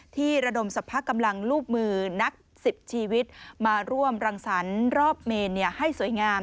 ระดมสรรพกำลังรูปมือนัก๑๐ชีวิตมาร่วมรังสรรค์รอบเมนให้สวยงาม